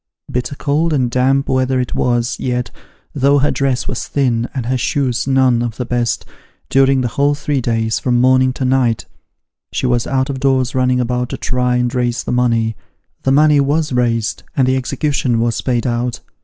Bitter cold and damp weather it was, yet, though her dress was thin, and her shoes none of the best, during the whole three days, from morning to night, she was out of doors running about to try and raise the money. The money was raised and the execution was paid out.